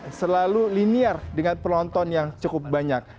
ini terlalu linear dengan penonton yang cukup banyak